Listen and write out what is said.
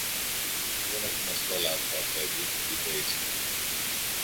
Δεν έχουμε στόλαρχο, Αφέντη, είπε ήσυχα.